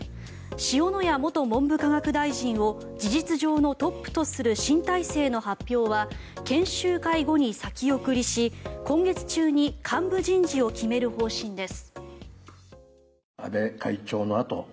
塩谷元文部科学大臣を事実上のトップとする新体制の発表は研修会後に先送りし今月中に幹部人事を決める方針です。